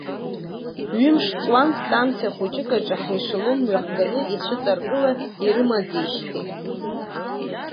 Ҩымш ҵуан, станциа хәыҷык аҿы ҳешелон мҩахганы ицәыҵаргыла ирымазижьҭеи.